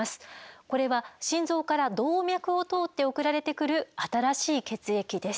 これは心臓から動脈を通って送られてくる新しい血液です。